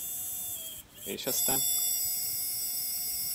És aztán?